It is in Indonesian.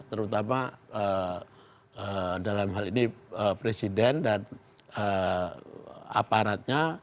terutama dalam hal ini presiden dan aparatnya